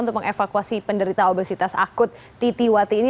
untuk mengevakuasi penderita obesitas akut titiwati ini